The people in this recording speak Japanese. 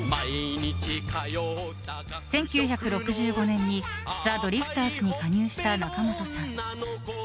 １９６５年にザ・ドリフターズに加入した仲本さん。